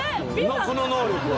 この能力は。